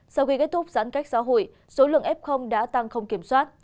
sau khi kết thúc giãn cách xã hội số lượng f đã tăng không kiểm soát